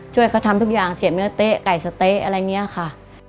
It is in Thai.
ช่วยเขาทำทุกอย่างเสียบเนื้อเต๊ะไก่สะเต๊ะอะไรอย่างนี้ค่ะ